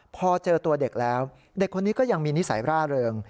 พอเจอตัวเด็กแล้วเด็กคนนี้ก็ยังมีนิสัยร่าเริง